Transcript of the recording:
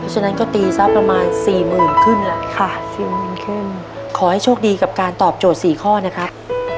ฉะนั้นก็ตีซับประมาณสี่หมื่นครึ่งแหละค่ะขอให้โชคดีกับการตอบโจทย์สี่ข้อนะครับ